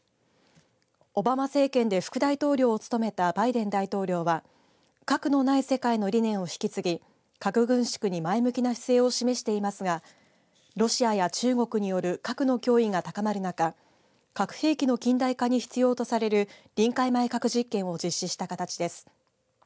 オバマ政権で副大統領を務めたバイデン大統領は核のない世界の理念を引き継ぎ核軍縮に前向きな姿勢を示していますがロシアや中国による核の脅威が高まる中核兵器の近代化に必要とされる臨界前核実験を実施した形です。